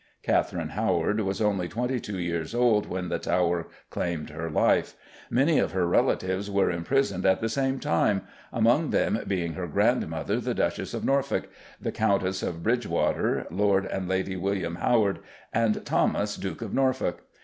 Katherine Howard was only twenty two years old when the Tower claimed her life. Many of her relatives were imprisoned at the same time, among them being her grandmother, the Duchess of Norfolk, the Countess of Bridgewater, Lord and Lady William Howard, and Thomas, Duke of Norfolk.